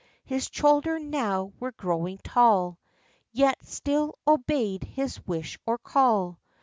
His children now were growing tall, Yet still obeyed his wish or call.